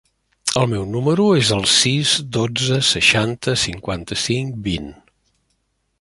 El meu número es el sis, dotze, seixanta, cinquanta-cinc, vint.